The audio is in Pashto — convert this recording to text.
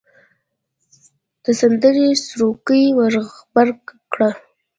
د سندرې سروکی ور غبرګ کړ.